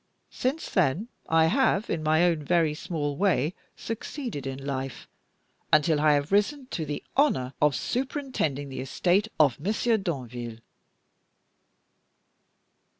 Since then I have, in my own very small way, succeeded in life, until I have risen to the honor of superintending the estate of Monsieur Danville."